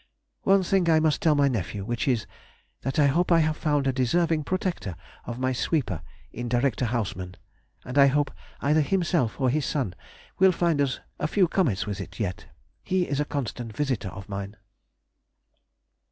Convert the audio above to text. One thing I must tell my nephew, which is, that I hope I have found a deserving protector of my sweeper in Director Hausmann, and I hope either himself or his son will find us a few comets with it yet. He is a constant visitor of mine.